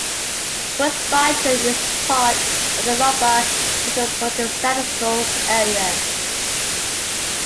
Crosbyton is part of the Lubbock Metropolitan Statistical Area.